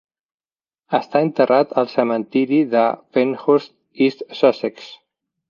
Està enterrat al cementiri de Penhurst, East Sussex.